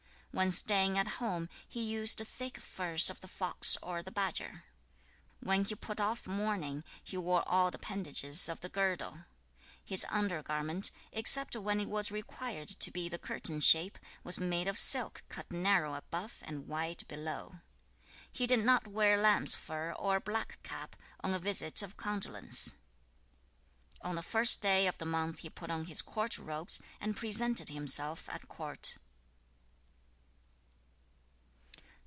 7. When staying at home, he used thick furs of the fox or the badger. 8. When he put off mourning, he wore all the appendages of the girdle. 9. His under garment, except when it was required to be of the curtain shape, was made of silk cut narrow above and wide below. 10. He did not wear lamb's fur or a black cap, on a visit of condolence. 11. On the first day of the month he put on his court robes, and presented himself at court.